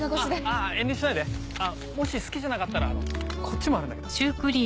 あぁ遠慮しないでもし好きじゃなかったらこっちもあるんだけど。